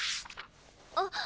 あっ。